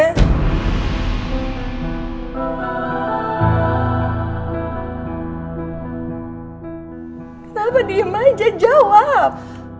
kenapa diem aja jawab